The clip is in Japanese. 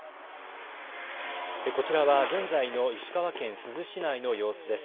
こちらは現在の石川県珠洲市内の様子です。